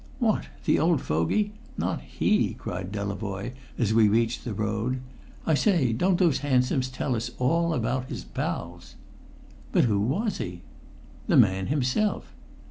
"What! The old fogey? Not he!" cried Delavoye as we reached the road. "I say, don't those hansoms tell us all about his pals!" "But who was he?" "The man himself."